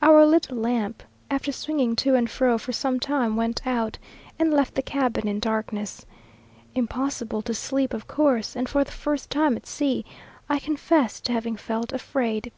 Our little lamp, after swinging to and fro for some time went out, and left the cabin in darkness. Impossible to sleep of course, and for the first time at sea, I confess to having felt afraid.